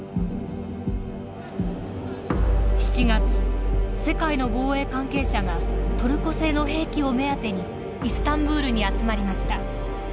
７月世界の防衛関係者がトルコ製の兵器を目当てにイスタンブールに集まりました。